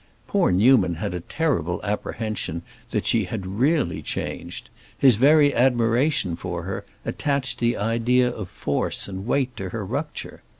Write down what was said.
Poor Newman had a terrible apprehension that she had really changed. His very admiration for her attached the idea of force and weight to her rupture.